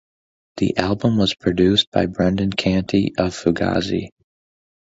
The album was produced by Brendan Canty of Fugazi.